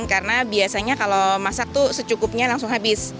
karena biasanya kalau masak tuh secukupnya langsung habis